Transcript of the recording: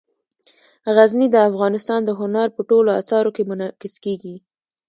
غزني د افغانستان د هنر په ټولو اثارو کې منعکس کېږي.